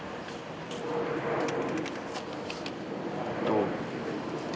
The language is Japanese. どう？